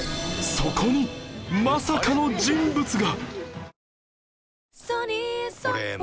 そこにまさかの人物が